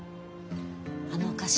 あのお菓子